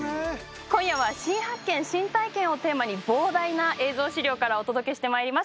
今夜は「“新発見”“新体験”」をテーマに膨大な映像資料からお届けしてまいります。